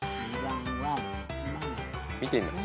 見てみます？